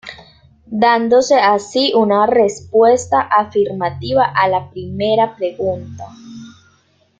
Dándose así una respuesta afirmativa a la primera pregunta.